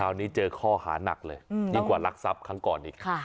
คราวนี้เจอข้อหานักเลยอืมยังกว่าลักษัพย์ครั้งก่อนอีกค่ะ